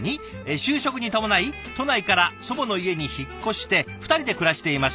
「就職に伴い都内から祖母の家に引っ越して２人で暮らしています。